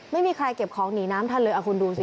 ไม่มีใครเก็บของหนีน้ำทันเลยคุณดูสิ